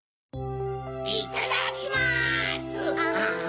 いっただきます！